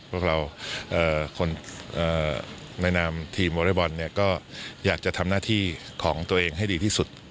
พวกเราคนในนามทีมวอเล็กบอลเนี่ยก็อยากจะทำหน้าที่ของตัวเองให้ดีที่สุด